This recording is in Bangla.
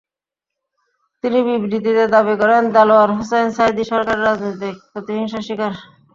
তিনি বিবৃতিতে দাবি করেন, দেলাওয়ার হোসাইন সাঈদী সরকারের রাজনৈতিক প্রতিহিংসার শিকার।